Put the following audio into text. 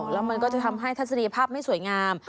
แล้วมันก็จะทำให้ทัศนีภาพไม่สวยงาม